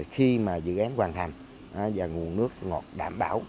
khi mà dự án hoàn thành và nguồn nước ngọt đảm bảo